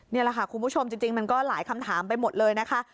นี่แหละค่ะคุณผู้ชมจริงมันก็หลายคำถามไปหมดเลยนะคะ